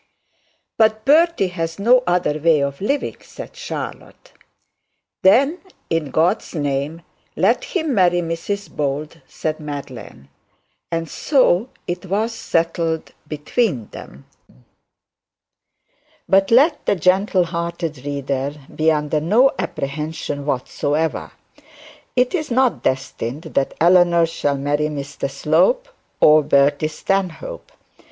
'But Bertie has no other way of living,' said Charlotte. 'Then, in God's name, let him marry Mrs Bold,' said Madeline. And so it was settled between them. But let the gentle hearted reader be under no apprehension whatsoever. It is not destined that Eleanor shall marry Mr Slope or Bertie Stanhope.